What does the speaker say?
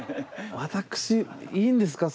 私いいんですか？